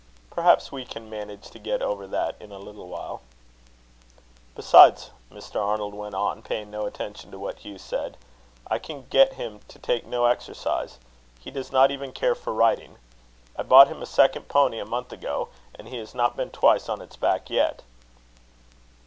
"Perhaps we can manage to get over that in a little while." "Besides," Mr. Arnold went on, paying no attention to what Hugh said, "I can get him to take no exercise. He does not even care for riding. I bought him a second pony a month ago, and he has not been twice on its back yet."